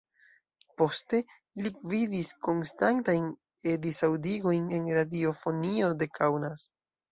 Poste li gvidis konstantajn E-disaŭdigojn en radiofonio de Kaunas.